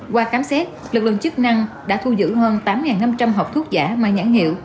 qua khám xét lực lượng chức năng đã thu giữ hơn tám năm trăm linh hộp thuốc giả mang nhãn hiệu